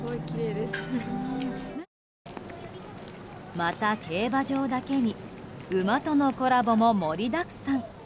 また、競馬場だけに馬とのコラボも盛りだくさん。